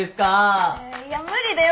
えいや無理だよ